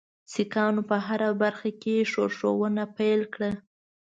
سیکهانو په هره برخه کې ښورښونه پیل کړل.